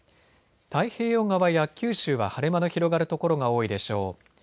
太平洋側や九州は晴れ間の広がる所が多いでしょう。